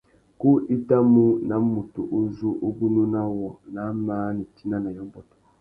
Ku i tà mú na mutu u zu ugunú na wô nà māh nitina na yôbôt.